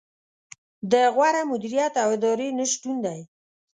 د غوره مدیریت او ادارې نه شتون دی.